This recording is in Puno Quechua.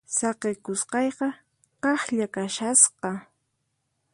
Saqikusqayqa kaqlla kashasqa.